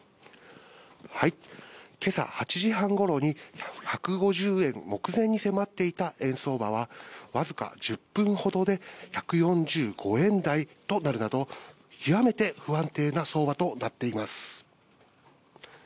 今朝８時半頃に１５０円を目前に迫っていた円相場はわずか１０分ほどで１４５円台となるなど、極めて不安定な相場となっています。